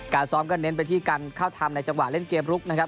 ซ้อมก็เน้นไปที่การเข้าทำในจังหวะเล่นเกมลุกนะครับ